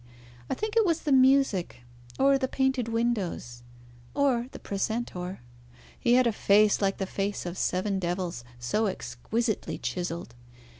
I think it was the music, or the painted windows, or the precentor. He had a face like the face of seven devils, so exquisitely chiselled.